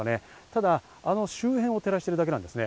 ただあの周辺を照らしているだけです。